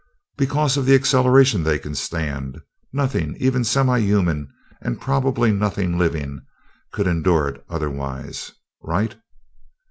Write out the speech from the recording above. "Because of the acceleration they can stand. Nothing even semi human, and probably nothing living, could endure it otherwise. Right?"